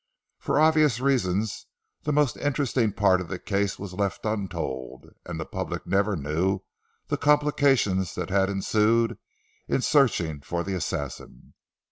For obvious reasons the most interesting part of the case was left untold, and the public never knew the complications that had ensued in searching for the assassin.